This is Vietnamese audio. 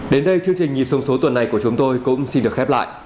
đến đây chương trình nhịp sông số tuần này của chúng tôi cũng xin được khép lại